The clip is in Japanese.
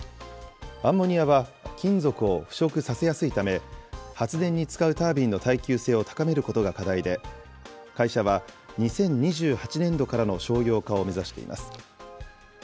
アンモニアは金属を腐食させやすいため、発電に使うタービンの耐久性を高めることが課題で、会社は２０２８年度からの商用化を目指しています。